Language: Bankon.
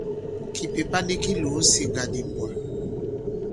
Kìpèpa nik ki lòo ǹsiŋgà nì mbwà.